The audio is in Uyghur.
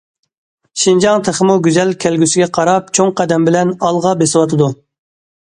شىنجاڭ تېخىمۇ گۈزەل كەلگۈسىگە قاراپ چوڭ قەدەم بىلەن ئالغا بېسىۋاتىدۇ.